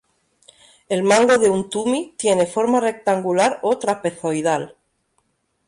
El mango de un tumi tiene forma rectangular o trapezoidal.